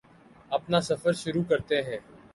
اپنا سفر شروع کرتے ہیں